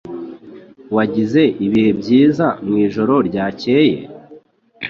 Wagize ibihe byiza mwijoro ryakeye?